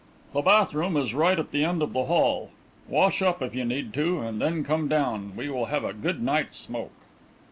"The bath room is right at the end of the hall. Wash up, if you need to, and then come down, and we will have a good night smoke."